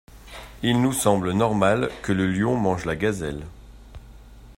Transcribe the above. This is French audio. Il nous semble normal que le lion mange la gazelle.